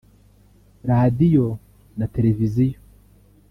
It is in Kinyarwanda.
Radiyo na televiziyo